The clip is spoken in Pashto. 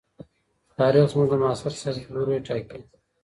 تاریخ زموږ د معاصر سیاست لوری ټاکي.